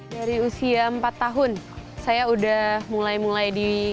dari usia empat tahun saya udah mulai mulai di